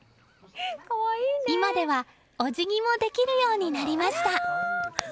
今ではお辞儀もできるようになりました。